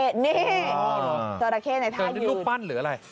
จัดระเก้ในท่ายืนเจอลูกบ้านหรืออะไร